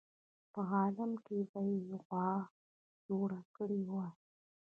په عالم کې به یې غوغا جوړه کړې وای.